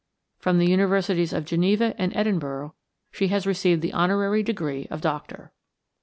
From the universities of Geneva and Edinburgh she has received the honorary degree of doctor.